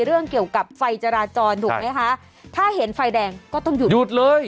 เรื่องเกี่ยวกับไฟจราจรถูกไหมคะถ้าเห็นไฟแดงก็ต้องหยุดหยุดเลย